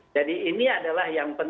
jadi ini adalah yang penting